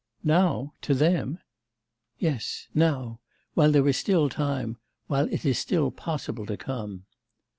'Now? To them?' 'Yes... now, while there is still time, while it is still possible to come.